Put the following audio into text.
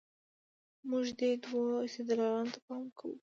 موږ دې دوو استدلالونو ته پام کوو.